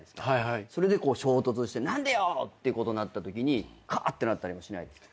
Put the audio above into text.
それで衝突して何でよ！ってことになったときにカーッてなったりはしないですか？